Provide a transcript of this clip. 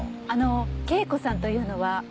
あの圭子さんというのは？